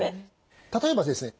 例えばですね